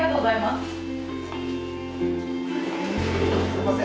すいません。